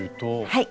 はい。